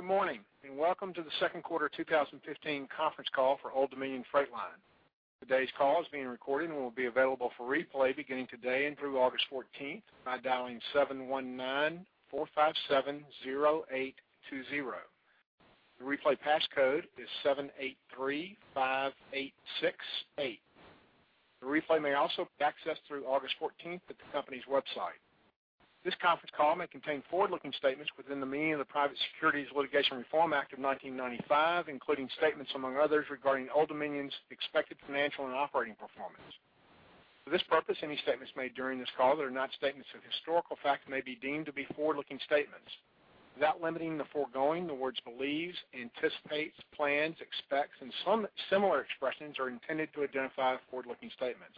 Good morning, and welcome to the second quarter 2015 conference call for Old Dominion Freight Line. Today's call is being recorded and will be available for replay beginning today and through August 14th by dialing 719-457-0820. The replay passcode is 7835868. The replay may also be accessed through August 14th at the company's website. This conference call may contain forward-looking statements within the meaning of the Private Securities Litigation Reform Act of 1995, including statements, among others, regarding Old Dominion's expected financial and operating performance. For this purpose, any statements made during this call that are not statements of historical fact may be deemed to be forward-looking statements. Without limiting the foregoing, the words believes, anticipates, plans, expects, and some similar expressions are intended to identify forward-looking statements.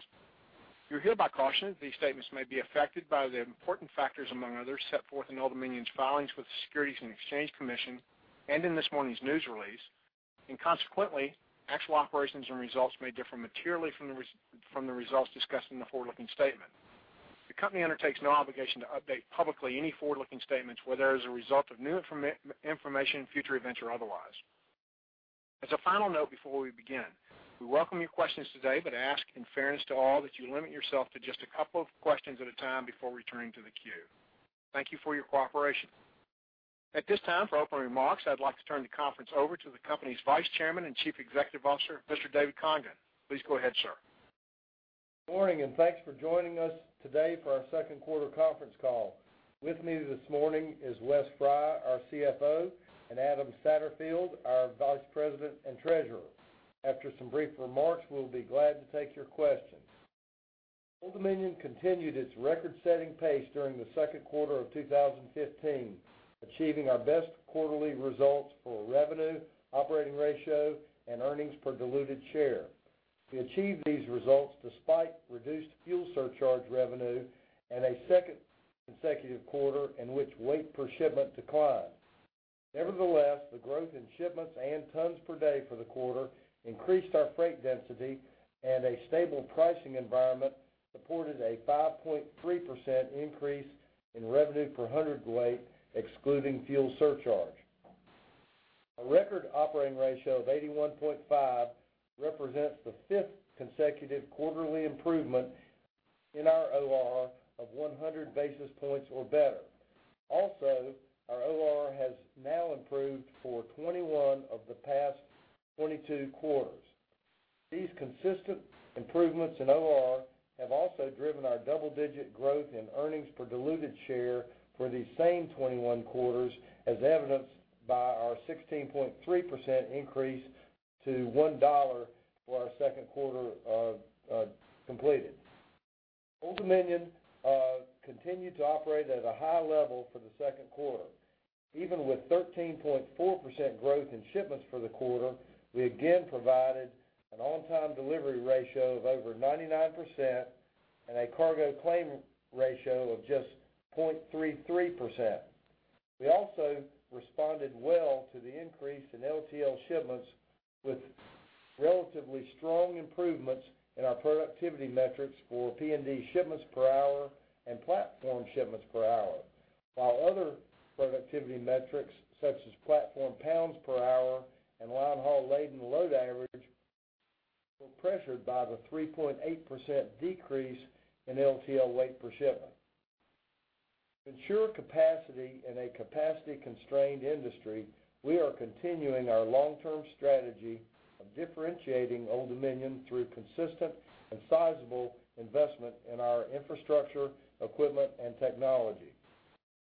You are hereby cautioned that these statements may be affected by the important factors, among others, set forth in Old Dominion's filings with the Securities and Exchange Commission and in this morning's news release. Consequently, actual operations and results may differ materially from the results discussed in the forward-looking statement. The company undertakes no obligation to update publicly any forward-looking statements, whether as a result of new information, future events, or otherwise. As a final note before we begin, we welcome your questions today, ask, in fairness to all, that you limit yourself to just a couple of questions at a time before returning to the queue. Thank you for your cooperation. At this time, for opening remarks, I'd like to turn the conference over to the company's Vice Chairman and Chief Executive Officer, Mr. David Congdon. Please go ahead, sir. Morning, and thanks for joining us today for our second quarter conference call. With me this morning is Wes Fry, our CFO, and Adam Satterfield, our Vice President and Treasurer. After some brief remarks, we'll be glad to take your questions. Old Dominion continued its record-setting pace during the second quarter of 2015, achieving our best quarterly results for revenue, operating ratio, and earnings per diluted share. We achieved these results despite reduced fuel surcharge revenue and a second consecutive quarter in which weight per shipment declined. Nevertheless, the growth in shipments and tons per day for the quarter increased our freight density, and a stable pricing environment supported a 5.3% increase in revenue per hundredweight, excluding fuel surcharge. A record operating ratio of 81.5 represents the fifth consecutive quarterly improvement in our OR of 100 basis points or better. Our OR has now improved for 21 of the past 22 quarters. These consistent improvements in OR have also driven our double-digit growth in earnings per diluted share for the same 21 quarters, as evidenced by our 16.3% increase to $1 for our second quarter completed. Old Dominion continued to operate at a high level for the second quarter. Even with 13.4% growth in shipments for the quarter, we again provided an on-time delivery ratio of over 99% and a cargo claim ratio of just 0.33%. We also responded well to the increase in LTL shipments with relatively strong improvements in our productivity metrics for P&D shipments per hour and platform shipments per hour. While other productivity metrics, such as platform pounds per hour and line haul laden load average, were pressured by the 3.8% decrease in LTL weight per shipment. To ensure capacity in a capacity-constrained industry, we are continuing our long-term strategy of differentiating Old Dominion through consistent and sizable investment in our infrastructure, equipment, and technology.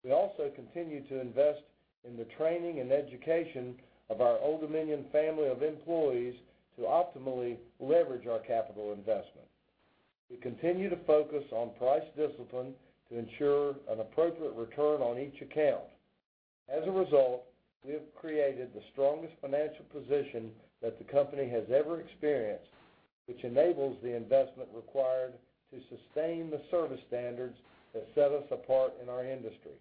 We also continue to invest in the training and education of our Old Dominion family of employees to optimally leverage our capital investment. We continue to focus on price discipline to ensure an appropriate return on each account. As a result, we have created the strongest financial position that the company has ever experienced, which enables the investment required to sustain the service standards that set us apart in our industry.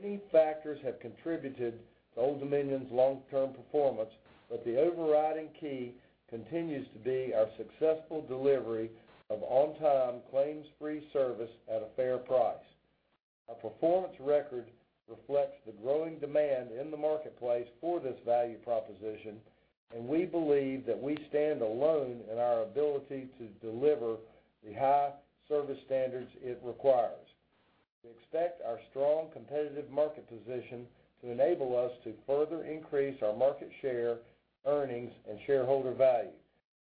Many factors have contributed to Old Dominion's long-term performance, but the overriding key continues to be our successful delivery of on-time, claims-free service at a fair price. Our performance record reflects the growing demand in the marketplace for this value proposition, and we believe that we stand alone in our ability to deliver the high service standards it requires. We expect our strong competitive market position to enable us to further increase our market share, earnings, and shareholder value.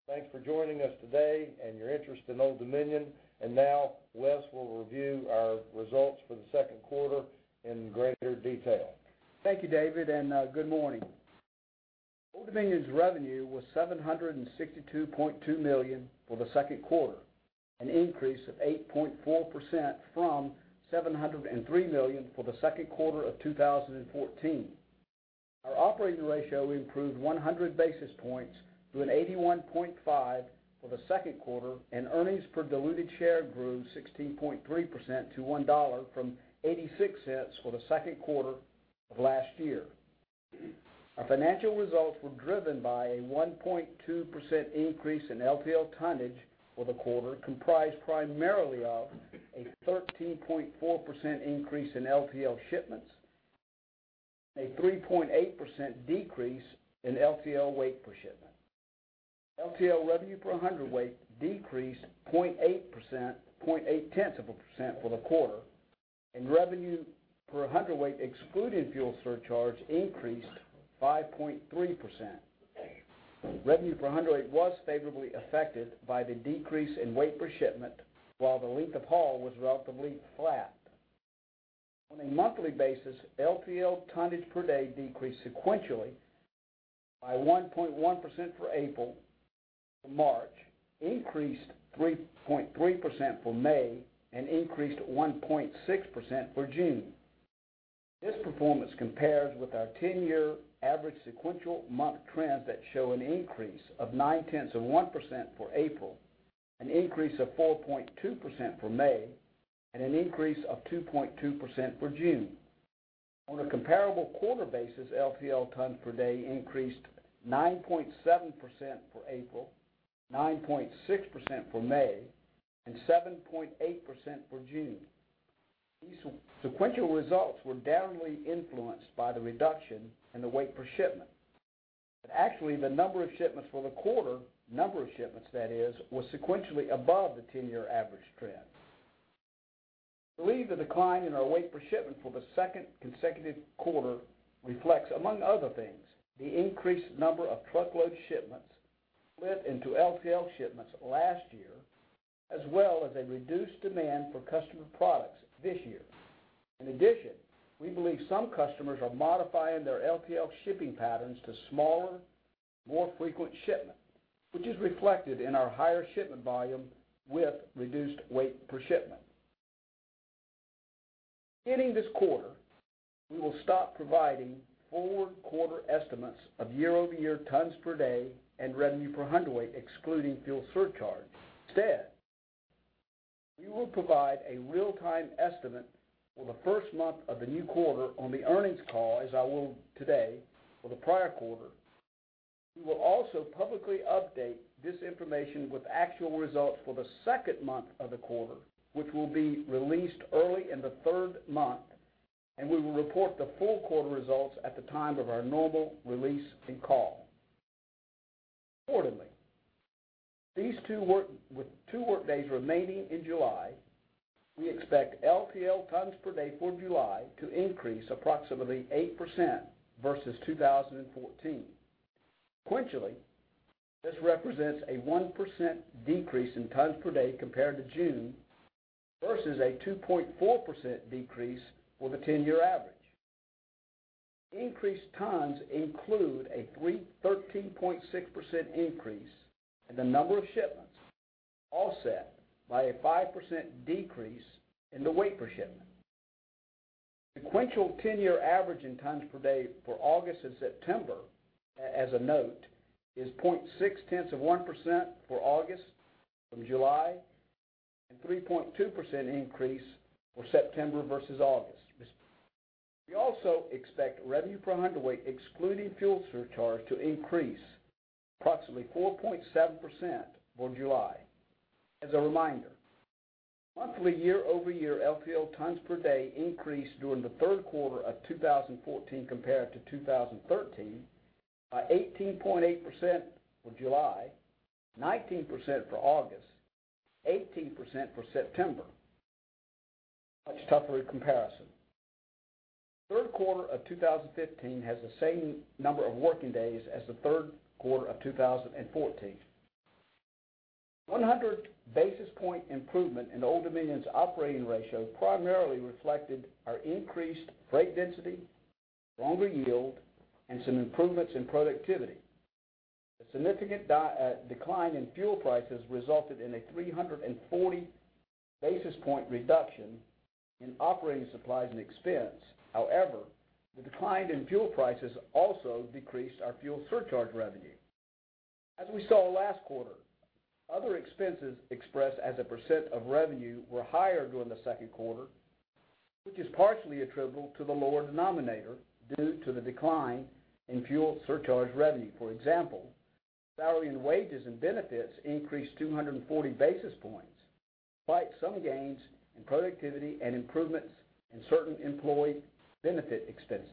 Thanks for joining us today and your interest in Old Dominion. Now Wes will review our results for the second quarter in greater detail. Thank you, David, and good morning. Old Dominion's revenue was $762.2 million for the second quarter, an increase of 8.4% from $703 million for the second quarter of 2014. Our operating ratio improved 100 basis points to an 81.5% for the second quarter, and earnings per diluted share grew 16.3% to $1 from $0.86 for the second quarter of last year. Our financial results were driven by a 1.2% increase in LTL tonnage for the quarter, comprised primarily of a 13.4% increase in LTL shipments, a 3.8% decrease in LTL weight per shipment. LTL revenue per hundredweight decreased 0.8%, 0.8 tenth of a percent for the quarter, and revenue per hundredweight excluding fuel surcharge increased 5.3%. Revenue per hundredweight was favorably affected by the decrease in weight per shipment while the length of haul was relatively flat. On a monthly basis, LTL tonnage per day decreased sequentially by 1.1% for April, March increased 3.3% for May, and increased 1.6% for June. This performance compares with our 10-year average sequential month trends that show an increase of nine tenths of 1% for April, an increase of 4.2% for May, and an increase of 2.2% for June. On a comparable quarter basis, LTL tons per day increased 9.7% for April, 9.6% for May, and 7.8% for June. These sequential results were downly influenced by the reduction in the weight per shipment. Actually, the number of shipments for the quarter, number of shipments that is, was sequentially above the 10-year average trend. Believe the decline in our weight per shipment for the second consecutive quarter reflects, among other things, the increased number of truckload shipments split into LTL shipments last year, as well as a reduced demand for customer products this year. In addition, we believe some customers are modifying their LTL shipping patterns to smaller, more frequent shipment, which is reflected in our higher shipment volume with reduced weight per shipment. Beginning this quarter, we will stop providing forward-quarter estimates of year-over-year tons per day and revenue per hundredweight, excluding fuel surcharge. Instead, we will provide a real-time estimate for the first month of the new quarter on the earnings call, as I will today for the prior quarter. We will also publicly update this information with actual results for the second month of the quarter, which will be released early in the third month. We will report the full quarter results at the time of our normal release and call. Accordingly, with two workdays remaining in July, we expect LTL tons per day for July to increase approximately 8% versus 2014. Sequentially, this represents a 1% decrease in tons per day compared to June versus a 2.4% decrease for the 10-year average. Increased tons include a 13.6% increase in the number of shipments, offset by a 5% decrease in the weight per shipment. Sequential 10-year average in tons per day for August and September, as a note, is 0.6 tenth of 1% for August from July and 3.2% increase for September versus August. We also expect revenue per hundredweight, excluding fuel surcharge, to increase approximately 4.7% for July. As a reminder, monthly year-over-year LTL tons per day increased during the third quarter of 2014 compared to 2013 by 18.8% for July, 19% for August, 18% for September. Much tougher comparison. Third quarter of 2015 has the same number of working days as the third quarter of 2014. 100 basis point improvement in Old Dominion's operating ratio primarily reflected our increased freight density, stronger yield, and some improvements in productivity. The decline in fuel prices resulted in a 340 basis point reduction in operating supplies and expense. The decline in fuel prices also decreased our fuel surcharge revenue. As we saw last quarter, other expenses expressed as a percent of revenue were higher during the second quarter, which is partially attributable to the lower denominator due to the decline in fuel surcharge revenue. For example, salary and wages and benefits increased 240 basis points, despite some gains in productivity and improvements in certain employee benefit expenses.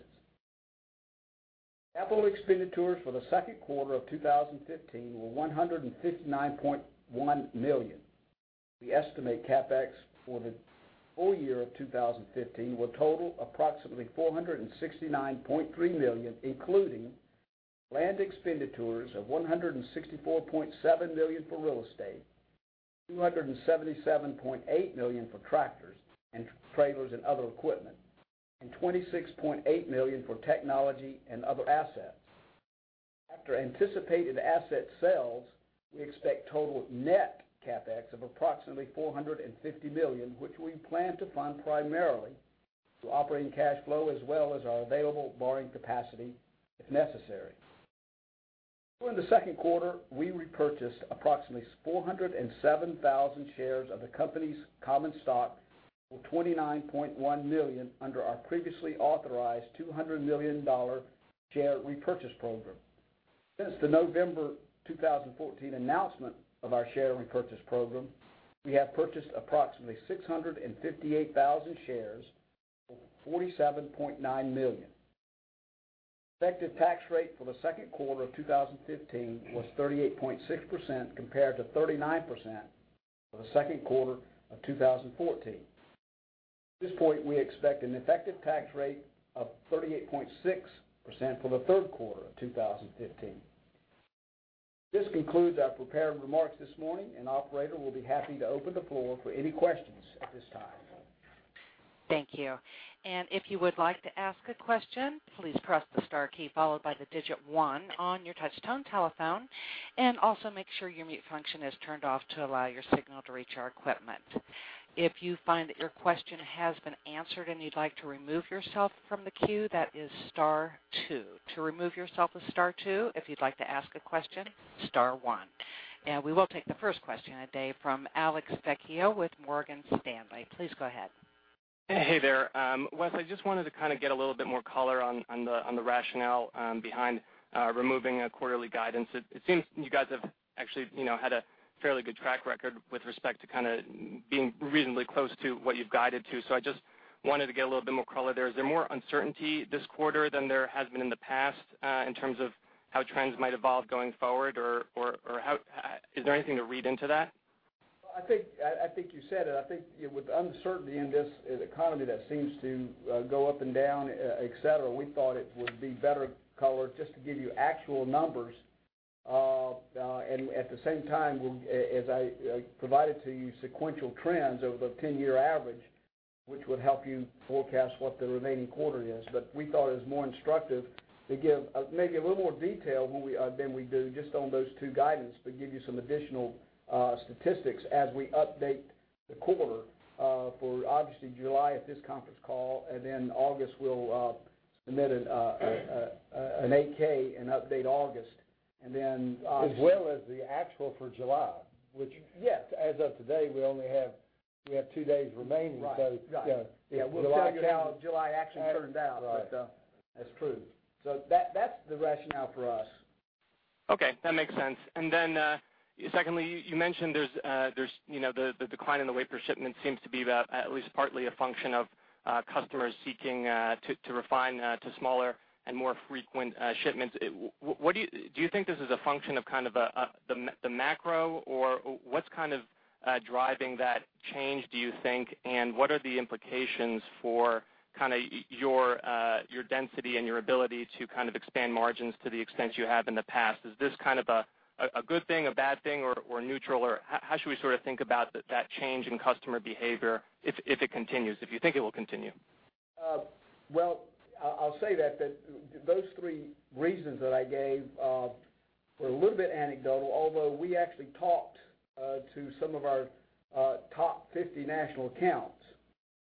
Capital expenditures for the second quarter of 2015 were $159.1 million. We estimate CapEx for the full year of 2015 will total approximately $469.3 million, including land expenditures of $164.7 million for real estate, $277.8 million for tractors and trailers and other equipment, and $26.8 million for technology and other assets. After anticipated asset sales, we expect total net CapEx of approximately $450 million, which we plan to fund primarily through operating cash flow as well as our available borrowing capacity if necessary. During the second quarter, we repurchased approximately 407,000 shares of the company's common stock for $29.1 million under our previously authorized $200 million share repurchase program. Since the November 2014 announcement of our share repurchase program, we have purchased approximately 658,000 shares for $47.9 million. Effective tax rate for the second quarter of 2015 was 38.6% compared to 39% for the second quarter of 2014. At this point, we expect an effective tax rate of 38.6% for the third quarter of 2015. Operator, we'll be happy to open the floor for any questions at this time. Thank you. If you would like to ask a question, please press the star key followed by the digit one on your touch tone telephone, also make sure your mute function is turned off to allow your signal to reach our equipment. If you find that your question has been answered and you'd like to remove yourself from the queue, that is star two. To remove yourself is star two. If you'd like to ask a question, star one. We will take the first question of the day from Alexander Vecchio with Morgan Stanley. Please go ahead. Hey there. Wes, I just wanted to get a little bit more color on the rationale behind removing a quarterly guidance. It seems you guys have actually had a fairly good track record with respect to being reasonably close to what you've guided to. I just wanted to get a little bit more color there. Is there more uncertainty this quarter than there has been in the past, in terms of how trends might evolve going forward or is there anything to read into that? I think you said it. I think with the uncertainty in this economy that seems to go up and down, et cetera, we thought it would be better color just to give you actual numbers. At the same time, as I provided to you sequential trends over the 10-year average, which would help you forecast what the remaining quarter is. We thought it was more instructive to give maybe a little more detail than we do just on those two guidance, give you some additional statistics as we update the quarter for obviously July at this conference call, then August we'll submit an 8-K and update August. As well as the actual for July. Yes. As of today, we only have two days remaining. Right. Yeah. Yeah. We'll tell you how July actually turned out. Right. That's true. That's the rationale for us. Okay. That makes sense. Secondly, you mentioned the decline in the weight per shipment seems to be at least partly a function of customers seeking to refine to smaller and more frequent shipments. Do you think this is a function of the macro, or what's driving that change, do you think, and what are the implications for your density and your ability to expand margins to the extent you have in the past? Is this a good thing, a bad thing, or neutral? Or how should we think about that change in customer behavior if it continues, if you think it will continue? I'll say that those three reasons that I gave were a little bit anecdotal, although we actually talked to some of our top 50 national accounts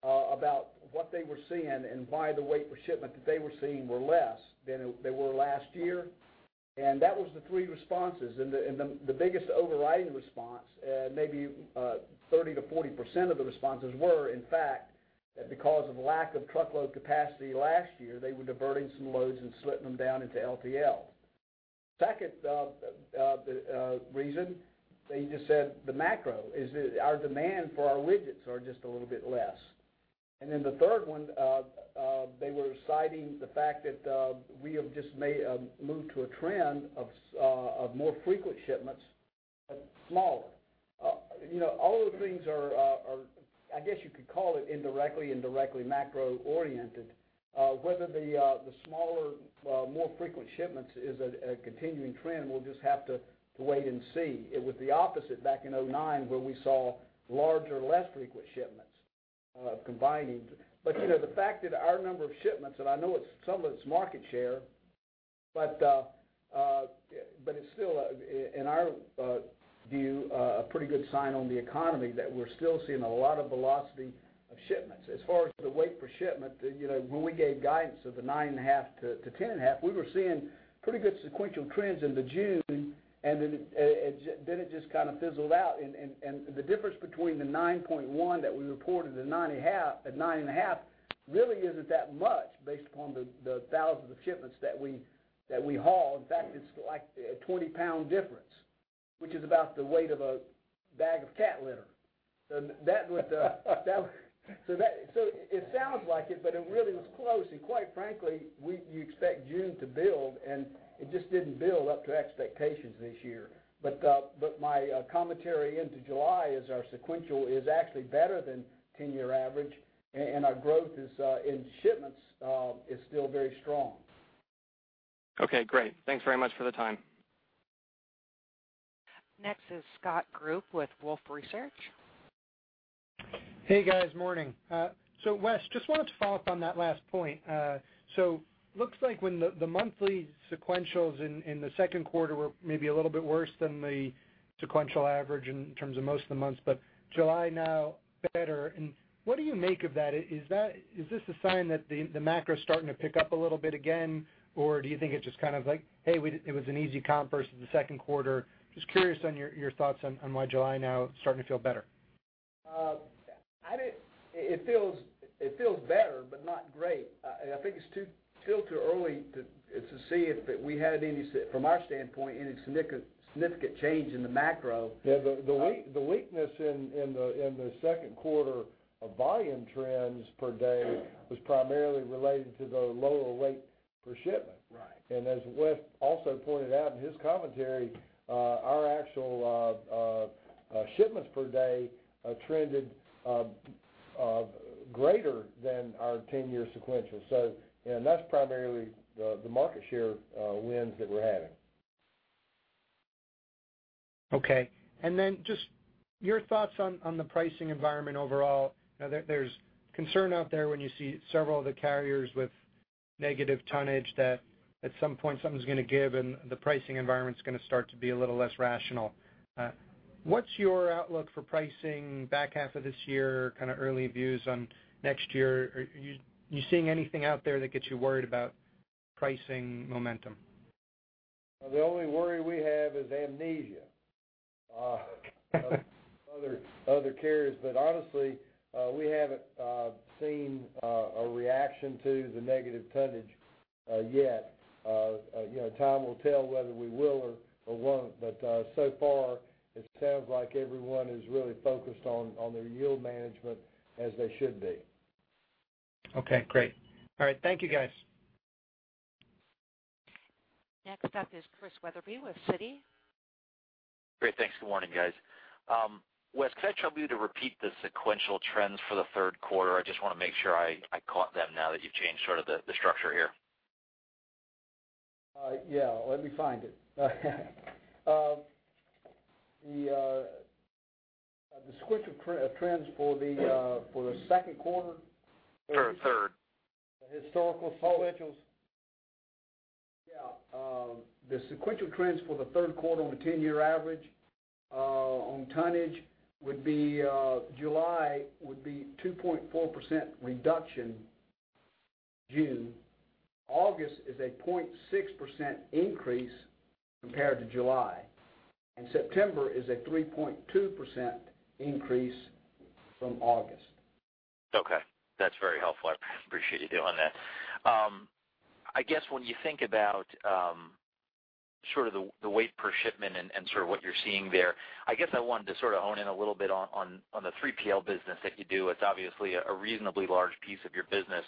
about what they were seeing and why the weight per shipment that they were seeing were less than they were last year. That was the three responses. The biggest overriding response, maybe 30%-40% of the responses were, in fact, that because of lack of truckload capacity last year, they were diverting some loads and splitting them down into LTL. Second reason, they just said the macro is our demand for our widgets are just a little bit less. The third one, they were citing the fact that we have just moved to a trend of more frequent shipments, but smaller. All of the things are, I guess you could call it indirectly and directly macro oriented. Whether the smaller, more frequent shipments is a continuing trend, we'll just have to wait and see. It was the opposite back in 2009 when we saw larger, less frequent shipments combining. The fact that our number of shipments, and I know some of it's market share, but it's still, in our view, a pretty good sign on the economy that we're still seeing a lot of velocity of shipments. As far as the weight per shipment, when we gave guidance of the 9.5 to 10.5, we were seeing pretty good sequential trends into June, and then it just kind of fizzled out. The difference between the 9.1 that we reported and 9.5 really isn't that much based upon the thousands of shipments that we haul. In fact, it's like a 20-pound difference, which is about the weight of a bag of cat litter. It sounds like it, but it really was close, and quite frankly, you expect June to build, and it just didn't build up to expectations this year. My commentary into July is our sequential is actually better than 10-year average, and our growth in shipments is still very strong. Okay, great. Thanks very much for the time. Next is Scott Group with Wolfe Research. Hey, guys. Morning. Wes, just wanted to follow up on that last point. Looks like when the monthly sequentials in the second quarter were maybe a little bit worse than the sequential average in terms of most of the months, but July now better. What do you make of that? Is this a sign that the macro's starting to pick up a little bit again, or do you think it's just like, hey, it was an easy comp versus the second quarter. Just curious on your thoughts on why July now starting to feel better. It feels better, but not great. I think it's still too early to see if we had any, from our standpoint, any significant change in the macro. Yeah. The weakness in the second quarter of volume trends per day was primarily related to the lower weight per shipment. Right. As Wes also pointed out in his commentary, our actual shipments per day trended greater than our 10-year sequential. That's primarily the market share wins that we're having. Okay. Just your thoughts on the pricing environment overall. There's concern out there when you see several of the carriers with negative tonnage that at some point, something's going to give, and the pricing environment's going to start to be a little less rational. What's your outlook for pricing back half of this year, early views on next year? Are you seeing anything out there that gets you worried about pricing momentum? The only worry we have is amnesia. Other carriers. Honestly, we haven't seen a reaction to the negative tonnage yet. Time will tell whether we will or won't. So far, it sounds like everyone is really focused on their yield management as they should be. Okay, great. All right. Thank you, guys. Next up is Christian Wetherbee with Citi. Great. Thanks. Good morning, guys. Wes, could I trouble you to repeat the sequential trends for the third quarter? I just want to make sure I caught them now that you've changed sort of the structure here. Yeah. Let me find it. The sequential trends for the second quarter? For the third. The historical sequentials. Yeah. The sequential trends for the third quarter on the 10-year average on tonnage would be July would be 2.4% reduction June. August is a 0.6% increase compared to July. September is a 3.2% increase from August. Okay. That's very helpful. I appreciate you doing that. I guess when you think about sort of the weight per shipment and sort of what you're seeing there, I guess I wanted to sort of hone in a little bit on the 3PL business that you do. It's obviously a reasonably large piece of your business.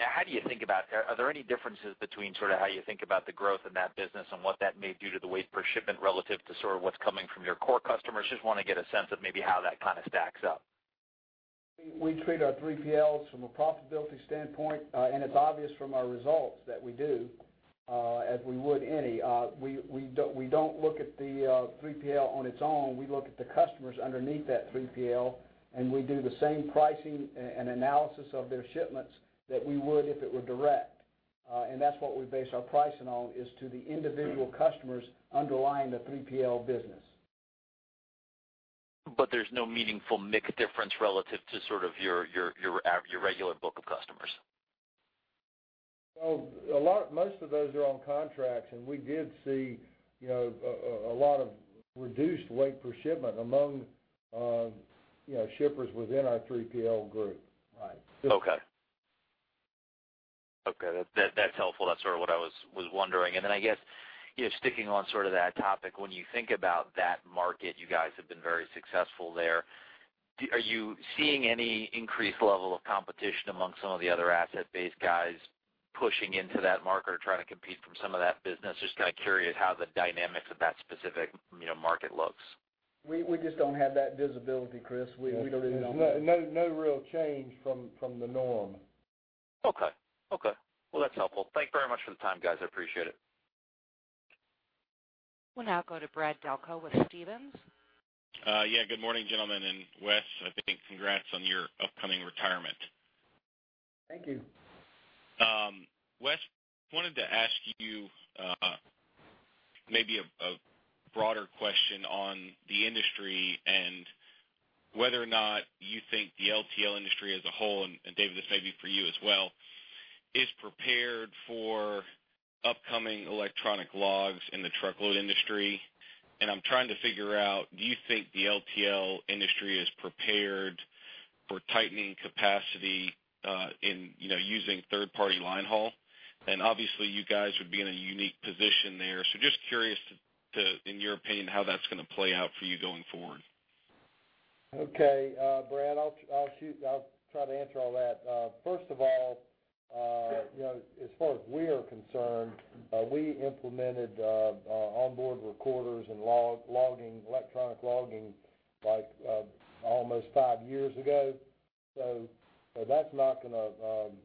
Are there any differences between how you think about the growth in that business and what that may do to the weight per shipment relative to sort of what's coming from your core customers? Just want to get a sense of maybe how that kind of stacks up. We treat our 3PLs from a profitability standpoint, and it's obvious from our results that we do, as we would any. We don't look at the 3PL on its own. We look at the customers underneath that 3PL, and we do the same pricing and analysis of their shipments that we would if it were direct. That's what we base our pricing on is to the individual customers underlying the 3PL business. There's no meaningful mix difference relative to sort of your regular book of customers. Well, most of those are on contracts, and we did see a lot of reduced weight per shipment among shippers within our 3PL group. Right. Okay. That's helpful. That's sort of what I was wondering. I guess, sticking on sort of that topic, when you think about that market, you guys have been very successful there. Are you seeing any increased level of competition among some of the other asset-based guys pushing into that market or trying to compete from some of that business? Just kind of curious how the dynamics of that specific market looks. We just don't have that visibility, Chris. We don't even know. No real change from the norm. Okay. Well, that's helpful. Thank you very much for the time, guys. I appreciate it. We'll now go to Brad Delco with Stephens. Yeah. Good morning, gentlemen, and Wes, I think congrats on your upcoming retirement. Thank you. Wes, wanted to ask you maybe a broader question on the industry and whether or not you think the LTL industry as a whole, and David, this may be for you as well, is prepared for upcoming electronic logs in the truckload industry. I'm trying to figure out, do you think the LTL industry is prepared for tightening capacity using third-party line haul? Obviously, you guys would be in a unique position there. Just curious to, in your opinion, how that's going to play out for you going forward. Okay. Brad, I'll try to answer all that. First of all, as far as we are concerned, we implemented on-board recorders and electronic logging almost 5 years ago. That's not going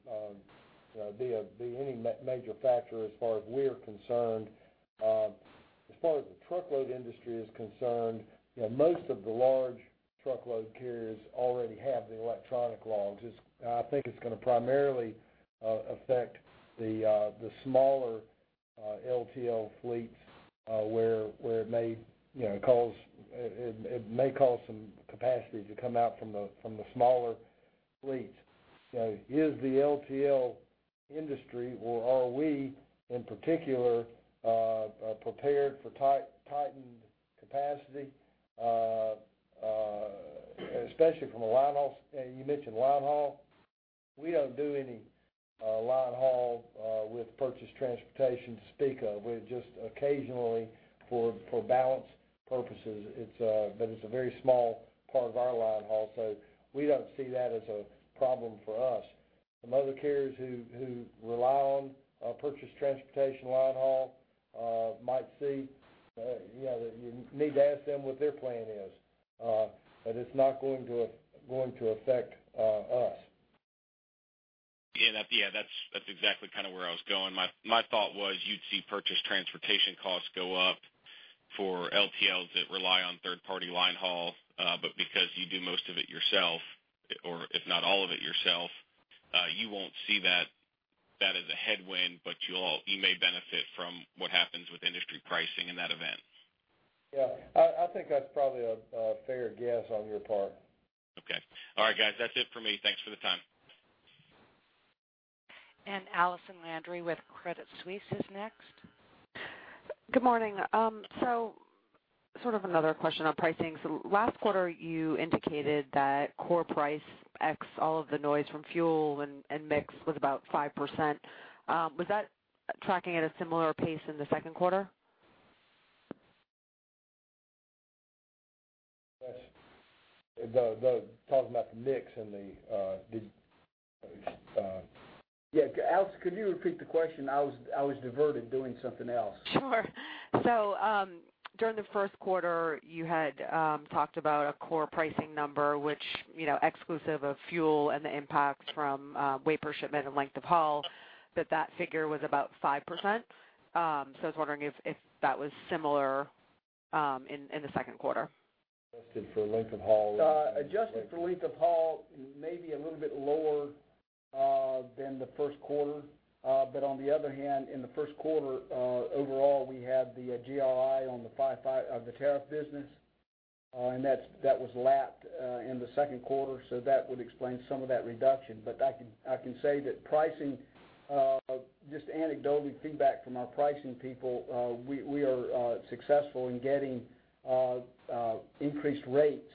to be any major factor as far as we're concerned. As far as the truckload industry is concerned, most of the large truckload carriers already have the electronic logs. I think it's going to primarily affect the smaller LTL fleets where it may cause some capacity to come out from the smaller fleets. Is the LTL industry, or are we in particular, prepared for tightened capacity, especially from a line haul standpoint? You mentioned line haul. We don't do any line haul with purchased transportation to speak of. We just occasionally for balance purposes, but it's a very small part of our line haul, we don't see that as a problem for us. Some other carriers who rely on purchased transportation line haul might see. You need to ask them what their plan is. It's not going to affect us. Yeah, that's exactly where I was going. My thought was you'd see purchased transportation costs go up for LTLs that rely on third-party line haul, because you do most of it yourself, or if not all of it yourself, you won't see that as a headwind, you may benefit from what happens with industry pricing in that event. Yeah. I think that's probably a fair guess on your part. Okay. All right, guys, that's it for me. Thanks for the time. Allison Landry with Credit Suisse is next. Good morning. Sort of another question on pricing. Last quarter, you indicated that core price ex all of the noise from fuel and mix was about 5%. Was that tracking at a similar pace in the second quarter? That's talking about the mix and the. Yeah. Allison, could you repeat the question? I was diverted doing something else. Sure. During the first quarter, you had talked about a core pricing number, which exclusive of fuel and the impact from weight per shipment and length of haul, that that figure was about 5%. I was wondering if that was similar in the second quarter. Adjusted for length of haul, maybe a little bit lower than the first quarter. On the other hand, in the first quarter, overall, we had the GRI on the tariff business, and that was lapped in the second quarter, so that would explain some of that reduction. I can say that pricing, just anecdotally feedback from our pricing people, we are successful in getting increased rates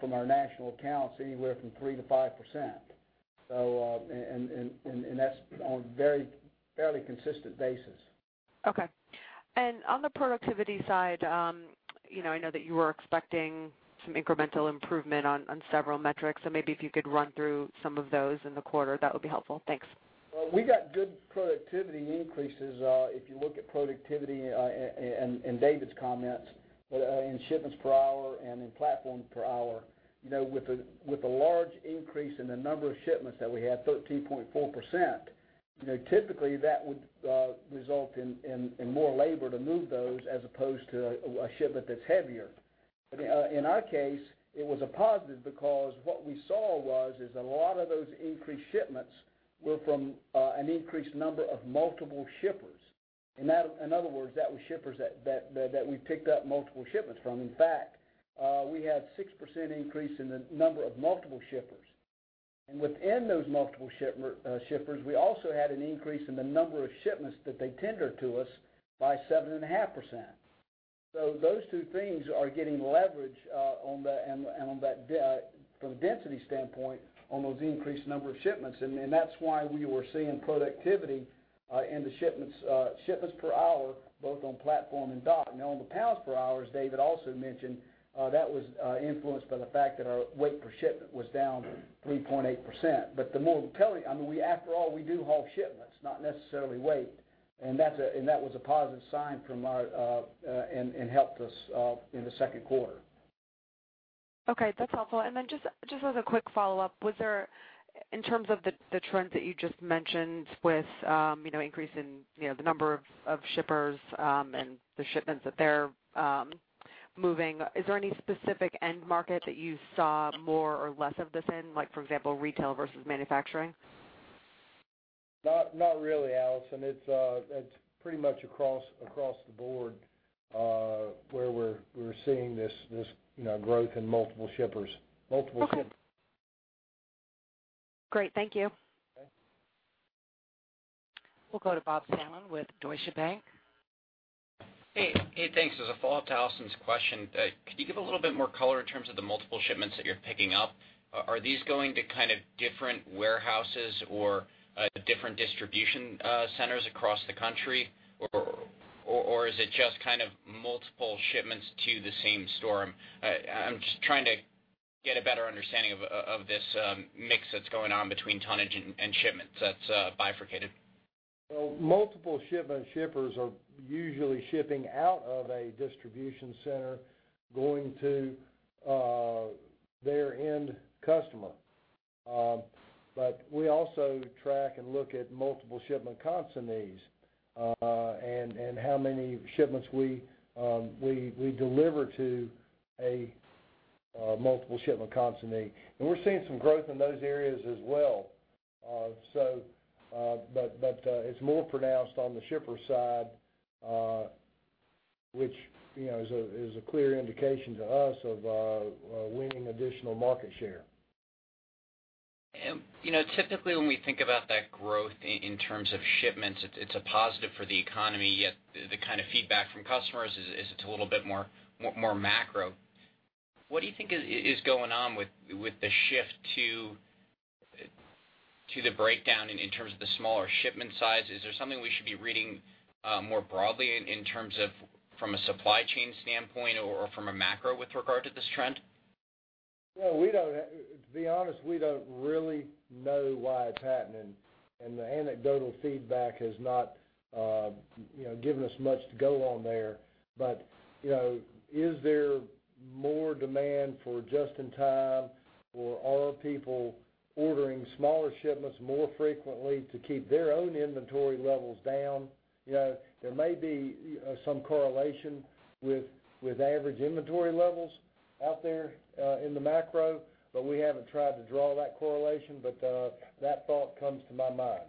from our national accounts anywhere from 3% to 5%. That's on very fairly consistent basis. Okay. On the productivity side, I know that you were expecting some incremental improvement on several metrics. Maybe if you could run through some of those in the quarter, that would be helpful. Thanks. We got good productivity increases, if you look at productivity in David's comments in shipments per hour and in platform per hour. With a large increase in the number of shipments that we had, 13.4%, typically that would result in more labor to move those as opposed to a shipment that's heavier. In our case, it was a positive because what we saw was a lot of those increased shipments were from an increased number of multiple shippers. In other words, that was shippers that we picked up multiple shipments from. In fact, we had 6% increase in the number of multiple shippers. Within those multiple shippers, we also had an increase in the number of shipments that they tendered to us by 7.5%. Those two things are getting leverage from a density standpoint on those increased number of shipments. That's why we were seeing productivity in the shipments per hour, both on platform and dock. On the pounds per hours, David also mentioned, that was influenced by the fact that our weight per shipment was down 3.8%. The more telling, after all, we do haul shipments, not necessarily weight. That was a positive sign and helped us in the second quarter. Okay. That's helpful. Just as a quick follow-up, was there, in terms of the trends that you just mentioned with increase in the number of shippers, and the shipments that they're moving, is there any specific end market that you saw more or less of this in? Like, for example, retail versus manufacturing? Not really, Allison. It's pretty much across the board, where we're seeing this growth in multiple shippers. Okay. Great. Thank you. Okay. We'll go to Robert Salmon with Deutsche Bank. Hey, thanks. As a follow-up to Allison's question, could you give a little bit more color in terms of the multiple shipments that you're picking up? Are these going to different warehouses or different distribution centers across the country? Or is it just multiple shipments to the same store? I'm just trying to get a better understanding of this mix that's going on between tonnage and shipments that's bifurcated. Well, multiple shipment shippers are usually shipping out of a distribution center going to their end customer. We also track and look at multiple shipment consignees, and how many shipments we deliver to a multiple shipment consignee. We're seeing some growth in those areas as well. It's more pronounced on the shipper side. Which is a clear indication to us of winning additional market share. Typically when we think about that growth in terms of shipments, it's a positive for the economy, yet the kind of feedback from customers is it's a little bit more macro. What do you think is going on with the shift to the breakdown in terms of the smaller shipment size? Is there something we should be reading more broadly in terms of from a supply chain standpoint or from a macro with regard to this trend? Well, to be honest, we don't really know why it's happening, the anecdotal feedback has not given us much to go on there. Is there more demand for just-in-time, or are people ordering smaller shipments more frequently to keep their own inventory levels down? There may be some correlation with average inventory levels out there in the macro, we haven't tried to draw that correlation. That thought comes to my mind.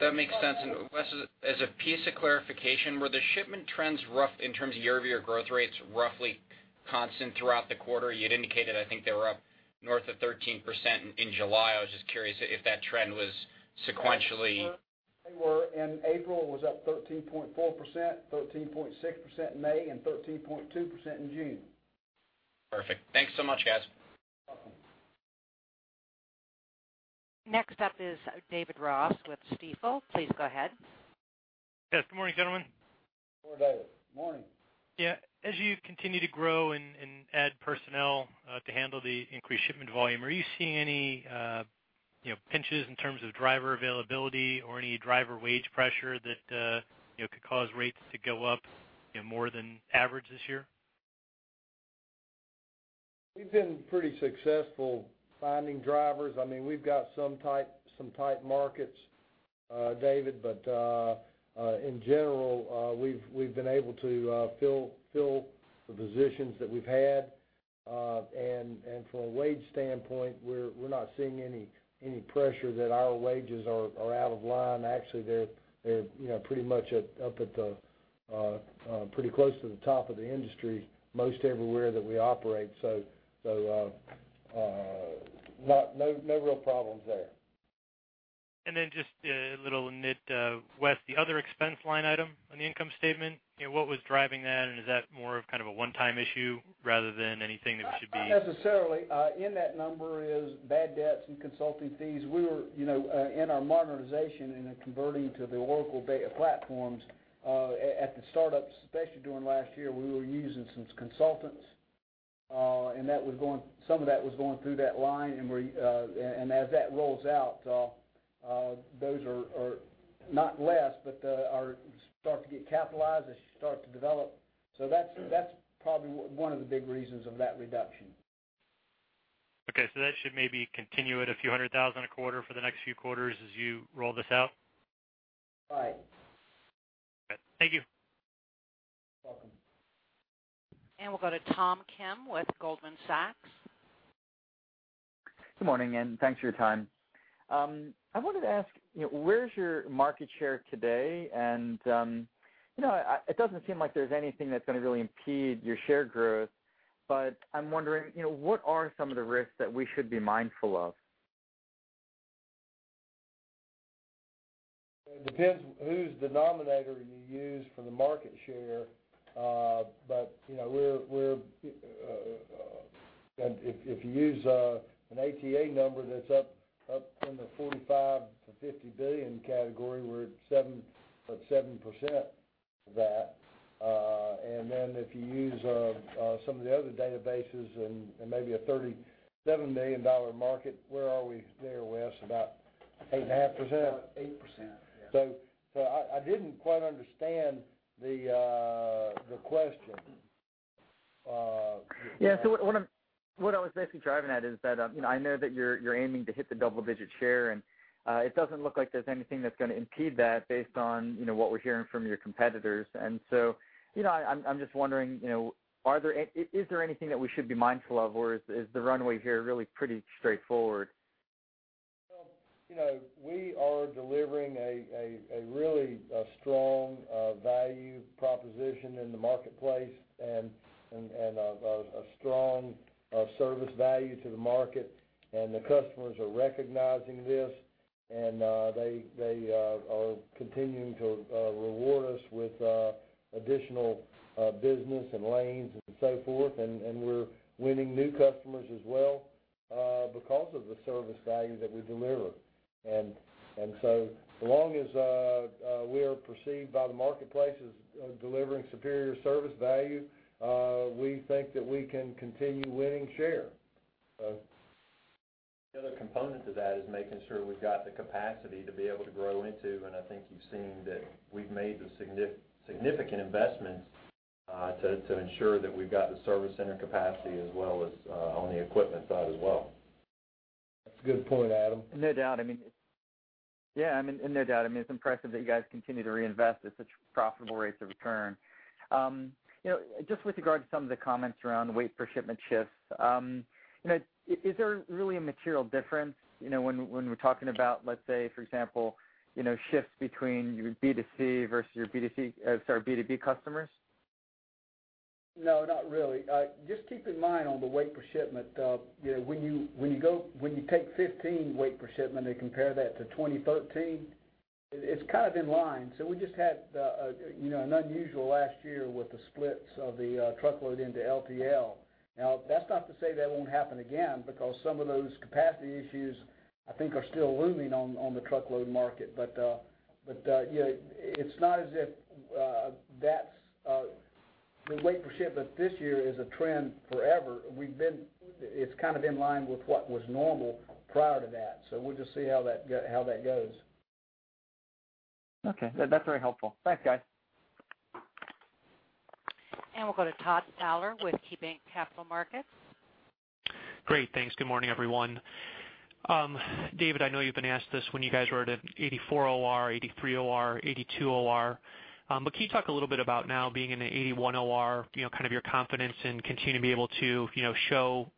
That makes sense. Wes, as a piece of clarification, were the shipment trends rough in terms of year-over-year growth rates roughly constant throughout the quarter? You had indicated, I think they were up north of 13% in July. I was just curious if that trend was sequentially. They were. In April, it was up 13.4%, 13.6% in May, and 13.2% in June. Perfect. Thanks so much, guys. Welcome. Next up is David Ross with Stifel. Please go ahead. Yes, good morning, gentlemen. Good morning, David. Morning. As you continue to grow and add personnel to handle the increased shipment volume, are you seeing any pinches in terms of driver availability or any driver wage pressure that could cause rates to go up more than average this year? We've been pretty successful finding drivers. We've got some tight markets, David. In general, we've been able to fill the positions that we've had. From a wage standpoint, we're not seeing any pressure that our wages are out of line. Actually, they're pretty much up at the pretty close to the top of the industry, most everywhere that we operate. No real problems there. Just a little nit, Wes, the other expense line item on the income statement, what was driving that, and is that more of a one-time issue rather than anything that should be- Not necessarily. In that number is bad debts and consulting fees. We were in our modernization and in converting to the Oracle data platforms, at the startup, especially during last year, we were using some consultants. Some of that was going through that line, and as that rolls out, those are not less, but start to get capitalized as you start to develop. That's probably one of the big reasons of that reduction. Okay, that should maybe continue at a few hundred thousand a quarter for the next few quarters as you roll this out? Right. Okay. Thank you. Welcome. We'll go to Tom Kim with Goldman Sachs. Good morning, thanks for your time. I wanted to ask, where's your market share today? It doesn't seem like there's anything that's going to really impede your share growth, but I'm wondering what are some of the risks that we should be mindful of? It depends whose denominator you use for the market share. If you use an ATA number that's up in the $45 billion-$50 billion category, we're at 7% of that. If you use some of the other databases and maybe a $37 million market, where are we there, Wes? About 8.5%? About 8%, yeah. I didn't quite understand the question. Yeah. What I was basically driving at is that I know that you're aiming to hit the double-digit share, and it doesn't look like there's anything that's going to impede that based on what we're hearing from your competitors. I'm just wondering, is there anything that we should be mindful of, or is the runway here really pretty straightforward? We are delivering a really strong value proposition in the marketplace and a strong service value to the market, and the customers are recognizing this, and they are continuing to reward us with additional business and lanes and so forth. We're winning new customers as well because of the service value that we deliver. As long as we are perceived by the marketplace as delivering superior service value, we think that we can continue winning share. The other component to that is making sure we've got the capacity to be able to grow into, and I think you've seen that we've made the significant investments to ensure that we've got the service center capacity as well as on the equipment side as well. That's a good point, Adam. No doubt. I mean, it's impressive that you guys continue to reinvest at such profitable rates of return. Just with regard to some of the comments around the weight per shipment shifts, is there really a material difference when we're talking about, let's say, for example, shifts between your B2C versus your B2B customers? No, not really. Just keep in mind on the weight per shipment, when you take 2015 weight per shipment and compare that to 2013, it's kind of in line. We just had an unusual last year with the splits of the truckload into LTL. That's not to say that won't happen again, because some of those capacity issues, I think, are still looming on the truckload market. It's not as if the weight per shipment this year is a trend forever. It's kind of in line with what was normal prior to that. We'll just see how that goes. Okay. That's very helpful. Thanks, guys. We'll go to Todd Fowler with KeyBanc Capital Markets. Great. Thanks. Good morning, everyone. David, I know you've been asked this when you guys were at an 84 OR, 83 OR, 82 OR, but can you talk a little bit about now being in an 81 OR, your confidence in continuing to be able to show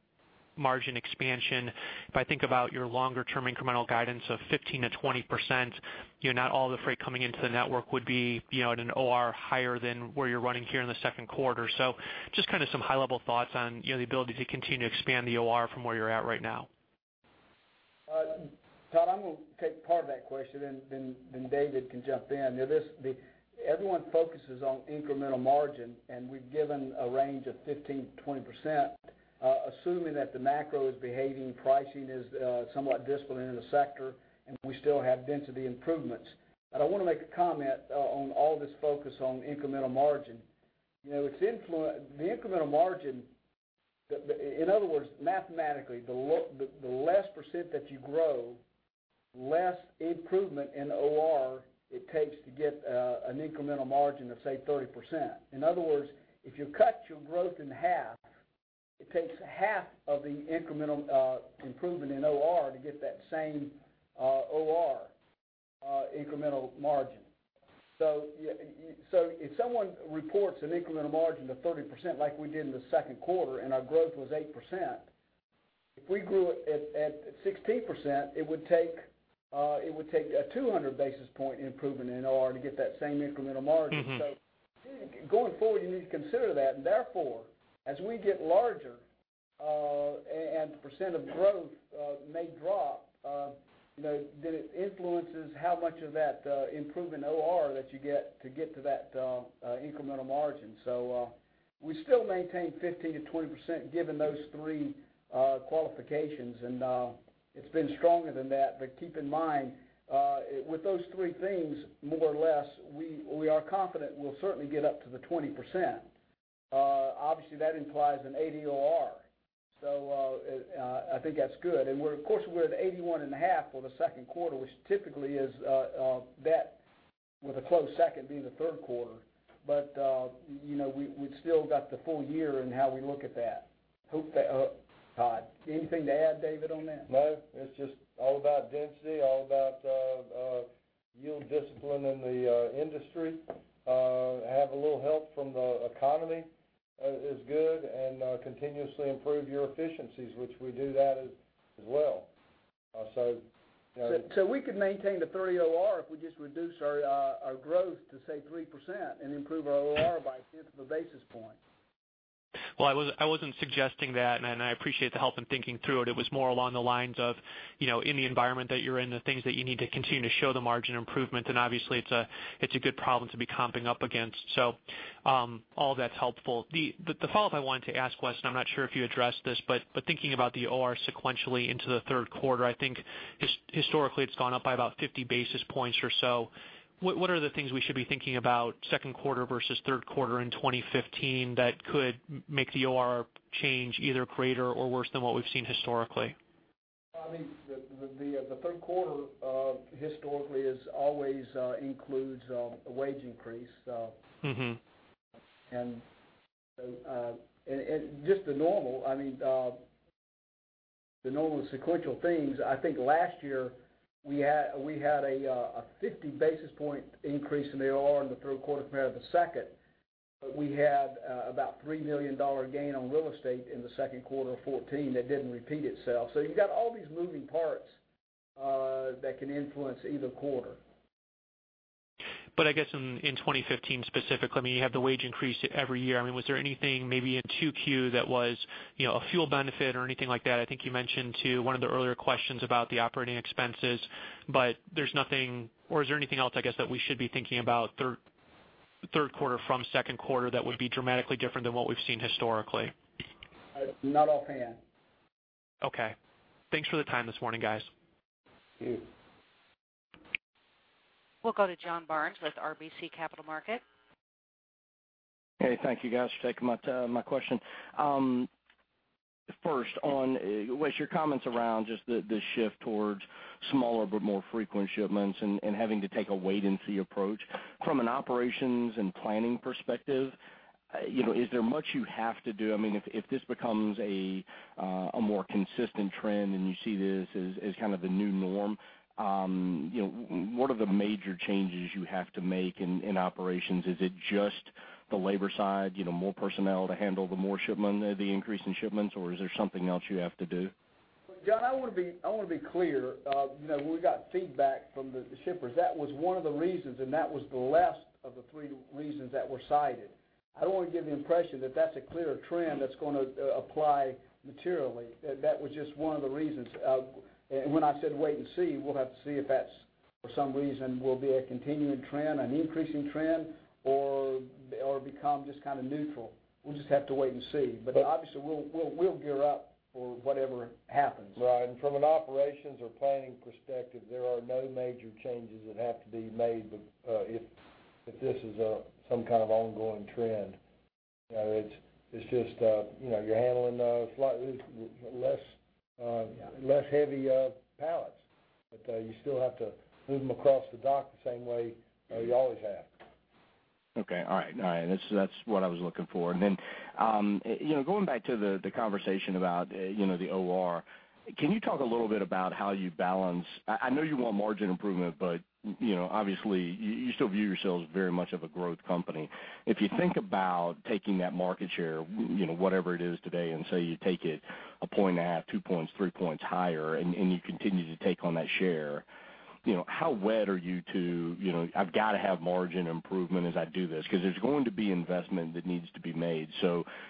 margin expansion? If I think about your longer-term incremental guidance of 15%-20%, not all the freight coming into the network would be at an OR higher than where you're running here in the second quarter. Just some high-level thoughts on the ability to continue to expand the OR from where you're at right now. Todd, I'm going to take part of that question, then David can jump in. Everyone focuses on incremental margin, we've given a range of 15%-20%, assuming that the macro is behaving, pricing is somewhat disciplined in the sector, we still have density improvements. I want to make a comment on all this focus on incremental margin. The incremental margin, in other words, mathematically, the less percent that you grow, the less improvement in OR it takes to get an incremental margin of, say, 30%. In other words, if you cut your growth in half, it takes half of the incremental improvement in OR to get that same OR incremental margin. If someone reports an incremental margin of 30%, like we did in the second quarter, and our growth was 8%, if we grew it at 16%, it would take a 200 basis point improvement in OR to get that same incremental margin. Going forward, you need to consider that. Therefore, as we get larger, the percent of growth may drop, it influences how much of that improve in OR that you get to get to that incremental margin. We still maintain 15%-20% given those three qualifications, and it's been stronger than that. Keep in mind, with those three things, more or less, we are confident we'll certainly get up to the 20%. Obviously, that implies an 80 OR. I think that's good. Of course, we're at 81.5 for the second quarter, which typically is that with a close second being the third quarter. We've still got the full year in how we look at that. Todd. Anything to add, David, on that? No, it's just all about density, all about yield discipline in the industry. To have a little help from the economy is good and continuously improve your efficiencies, which we do that as well. We could maintain the 30 OR if we just reduce our growth to, say, 3% and improve our OR by a fifth of a basis point. Well, I wasn't suggesting that. I appreciate the help in thinking through it. It was more along the lines of, in the environment that you're in, the things that you need to continue to show the margin improvement, and obviously it's a good problem to be comping up against. All that's helpful. The follow-up I wanted to ask, Wes, I'm not sure if you addressed this, thinking about the OR sequentially into the third quarter, I think historically it's gone up by about 50 basis points or so. What are the things we should be thinking about second quarter versus third quarter in 2015 that could make the OR change either greater or worse than what we've seen historically? The third quarter historically always includes a wage increase. Just the normal sequential things. I think last year we had a 50 basis point increase in the OR in the third quarter compared to the second, but we had about a $3 million gain on real estate in the second quarter of 2014 that didn't repeat itself. You've got all these moving parts that can influence either quarter. I guess in 2015 specifically, you have the wage increase every year. Was there anything maybe in 2Q that was a fuel benefit or anything like that? I think you mentioned, too, one of the earlier questions about the operating expenses, but there's nothing, or is there anything else, I guess, that we should be thinking about third quarter from second quarter that would be dramatically different than what we've seen historically? Not offhand. Okay. Thanks for the time this morning, guys. Thank you. We'll go to John Barnes with RBC Capital Markets. Hey, thank you guys for taking my question. First on, Wes, your comments around just the shift towards smaller but more frequent shipments and having to take a wait-and-see approach. From an operations and planning perspective, is there much you have to do? If this becomes a more consistent trend and you see this as kind of the new norm, what are the major changes you have to make in operations? Is it just the labor side, more personnel to handle the more shipment, the increase in shipments, or is there something else you have to do? John, I want to be clear. We got feedback from the shippers. That was one of the reasons, and that was the last of the three reasons that were cited. I don't want to give the impression that that's a clear trend that's going to apply materially. That was just one of the reasons. When I said wait and see, we'll have to see if that's, for some reason, will be a continuing trend, an increasing trend, or become just neutral. We'll just have to wait and see. Obviously, we'll gear up for whatever happens. Right. From an operations or planning perspective, there are no major changes that have to be made if this is some kind of ongoing trend. It's just you're handling slightly less heavy pallets. You still have to move them across the dock the same way you always have. Okay. All right. That's what I was looking for. Then, going back to the conversation about the OR, can you talk a little bit about how you balance I know you want margin improvement, but obviously, you still view yourselves very much of a growth company. If you think about taking that market share, whatever it is today, say you take it 1.5 points, 2 points, 3 points higher, and you continue to take on that share, how wed are you to, "I've got to have margin improvement as I do this?" There's going to be investment that needs to be made.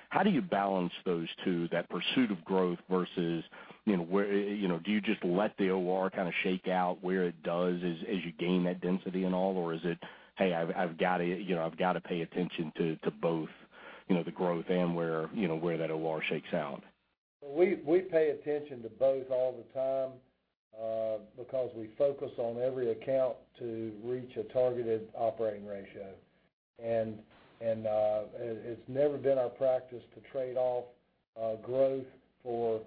How do you balance those two, that pursuit of growth versus, do you just let the OR shake out where it does as you gain that density and all? Is it, "Hey, I've got to pay attention to both, the growth and where that OR shakes out? We pay attention to both all the time because we focus on every account to reach a targeted operating ratio. It's never been our practice to trade off growth for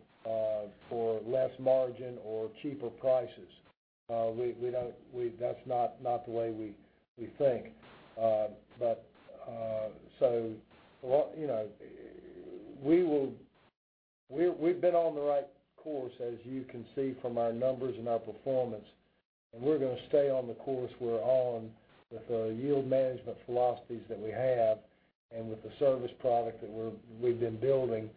less margin or cheaper prices. That's not the way we think. We've been on the right course, as you can see from our numbers and our performance, and we're going to stay on the course we're on with the yield management philosophies that we have and with the service product that we've been building.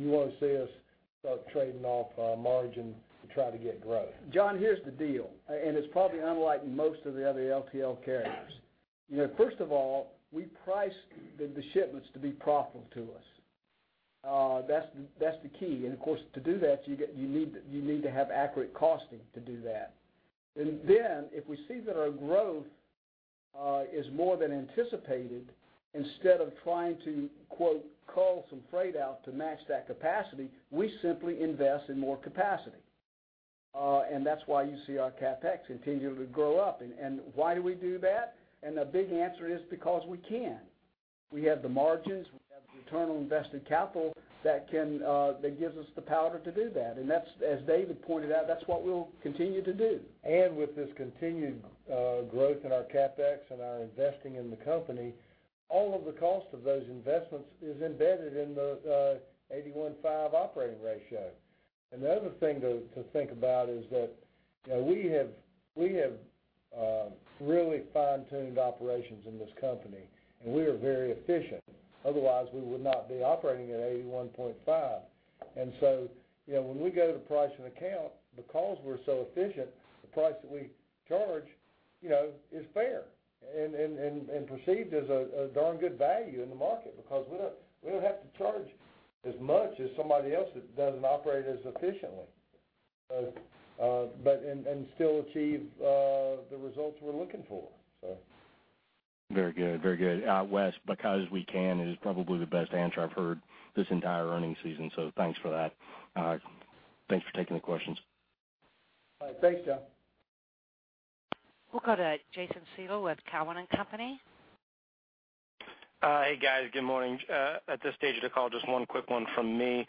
You won't see us start trading off margin to try to get growth. John, here's the deal. It's probably unlike most of the other LTL carriers. First of all, we price the shipments to be profitable to us. That's the key. Of course, to do that, you need to have accurate costing to do that. Then, if we see that our growth is more than anticipated, instead of trying to, quote, "cull some freight out to match that capacity," we simply invest in more capacity. That's why you see our CapEx continue to grow up. Why do we do that? The big answer is because we can. We have the margins, we have the return on invested capital that gives us the powder to do that. As David pointed out, that's what we'll continue to do. With this continued growth in our CapEx and our investing in the company, all of the cost of those investments is embedded in the 81.5 operating ratio. The other thing to think about is that we have really fine-tuned operations in this company, we are very efficient. Otherwise, we would not be operating at 81.5. So when we go to price an account, because we're so efficient, the price that we charge is fair and perceived as a darn good value in the market because we don't have to charge as much as somebody else that doesn't operate as efficiently and still achieve the results we're looking for. Very good. Wes, "Because we can" is probably the best answer I've heard this entire earnings season. Thanks for that. Thanks for taking the questions. All right. Thanks, John. We'll go to Jason Seidl with Cowen and Company. Hey, guys. Good morning. At this stage of the call, just one quick one from me.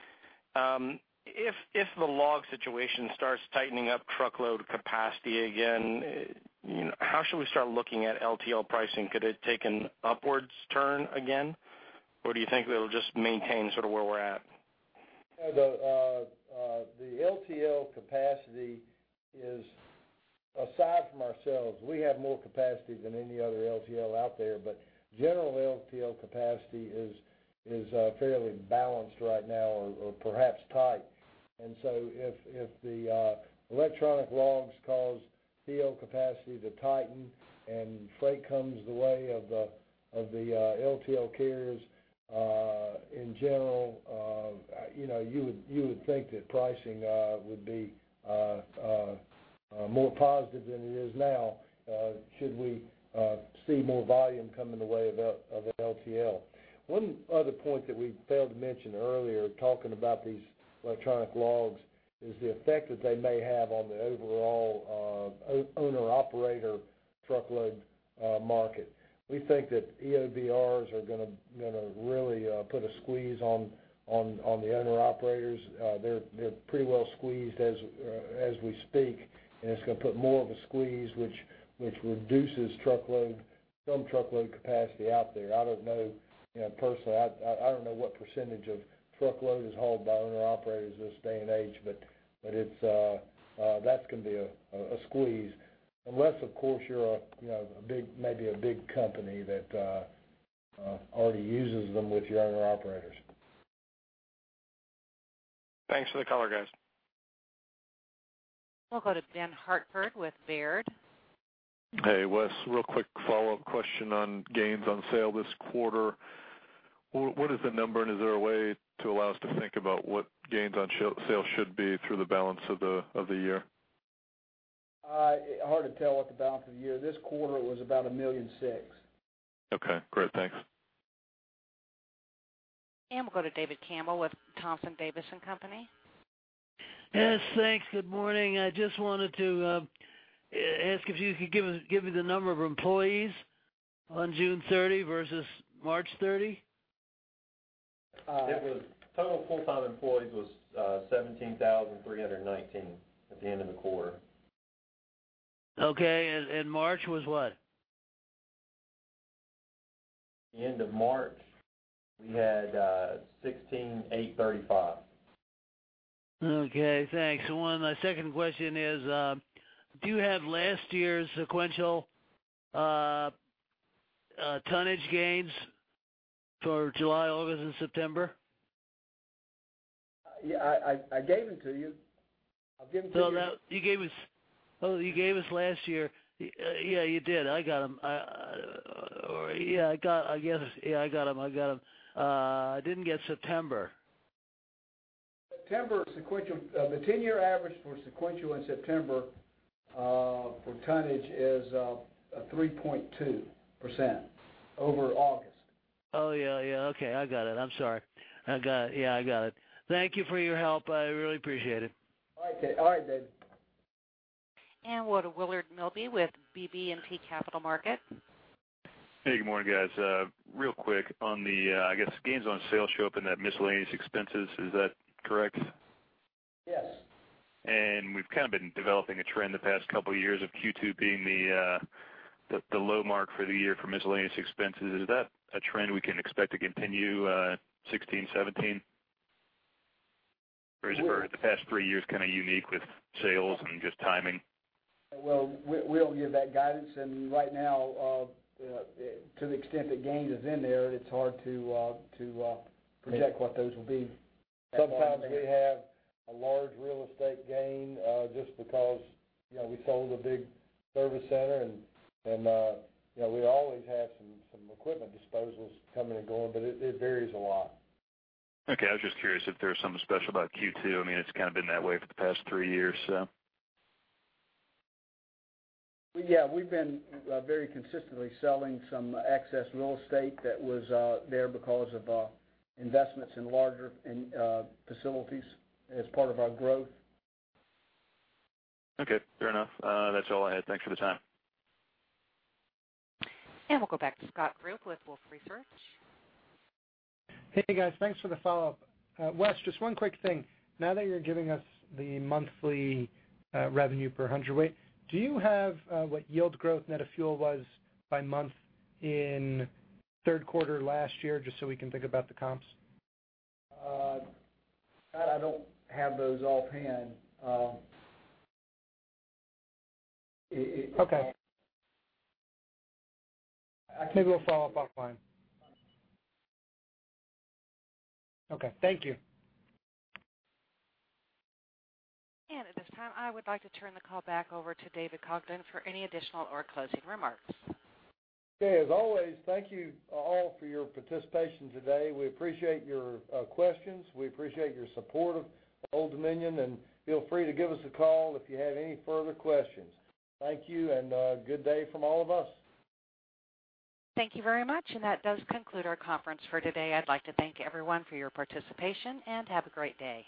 If the log situation starts tightening up truckload capacity again, how should we start looking at LTL pricing? Could it take an upwards turn again? Do you think that it'll just maintain sort of where we're at? The LTL capacity is, aside from ourselves, we have more capacity than any other LTL out there. General LTL capacity is fairly balanced right now or perhaps tight. If the electronic logs cause fleet capacity to tighten and freight comes in the way of the LTL carriers, in general you would think that pricing would be more positive than it is now should we see more volume come in the way of LTL. One other point that we failed to mention earlier, talking about these electronic logs is the effect that they may have on the overall owner/operator truckload market. We think that EOBRs are going to really put a squeeze on the owner/operators. They're pretty well squeezed as we speak, and it's going to put more of a squeeze, which reduces some truckload capacity out there. Personally, I don't know what percentage of truckload is hauled by owner-operators this day and age, but that's going to be a squeeze. Unless, of course, you're maybe a big company that already uses them with your owner-operators. Thanks for the color, guys. We'll go to Ben Hartford with Baird. Hey, Wes. Real quick follow-up question on gains on sale this quarter. What is the number, and is there a way to allow us to think about what gains on sale should be through the balance of the year? Hard to tell what the balance of the year. This quarter was about $1.6 million. Okay, great. Thanks. We'll go to David Campbell with Thompson, Davis & Company. Yes, thanks. Good morning. I just wanted to ask if you could give me the number of employees on June 30 versus March 30. Total full-time employees was 17,319 at the end of the quarter. Okay, March was what? At the end of March, we had 16,835. Okay, thanks. My second question is, do you have last year's sequential tonnage gains for July, August, and September? Yeah, I gave them to you. I've given them to you. Oh, you gave us last year. Yeah, you did. I got them. Yeah, I got them. I didn't get September. September sequential. The 10-year average for sequential in September for tonnage is 3.2% over August. Oh, yeah. Okay, I got it. I'm sorry. I got it. Yeah, I got it. Thank you for your help. I really appreciate it. All right, David. We'll go to Willard Milby with BB&T Capital Markets. Hey, good morning, guys. Real quick on the, I guess gains on sale show up in that miscellaneous expenses. Is that correct? Yes. We've kind of been developing a trend the past couple of years of Q2 being the low mark for the year for miscellaneous expenses. Is that a trend we can expect to continue 2016, 2017? Or is the past three years kind of unique with sales and just timing? Well, we don't give that guidance, and right now, to the extent that gain is in there, it's hard to project what those will be. Sometimes we have a large real estate gain just because we sold a big service center, and we always have some equipment disposals coming and going, but it varies a lot. Okay, I was just curious if there was something special about Q2. It's kind of been that way for the past three years, so. Yeah, we've been very consistently selling some excess real estate that was there because of investments in larger facilities as part of our growth. Okay, fair enough. That's all I had. Thanks for the time. We'll go back to Scott Group with Wolfe Research. Hey guys, thanks for the follow-up. Wes, just one quick thing. Now that you're giving us the monthly revenue per hundredweight, do you have what yield growth net of fuel was by month in third quarter last year, just so we can think about the comps? Scott, I don't have those offhand. Okay. Maybe we'll follow up offline. Okay. Thank you. At this time, I would like to turn the call back over to David Congdon for any additional or closing remarks. Okay. As always, thank you all for your participation today. We appreciate your questions. We appreciate your support of Old Dominion. Feel free to give us a call if you have any further questions. Thank you. Good day from all of us. Thank you very much. That does conclude our conference for today. I'd like to thank everyone for your participation. Have a great day.